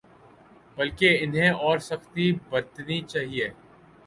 بلکہ انہیں اور سختی برتنی چاہیے۔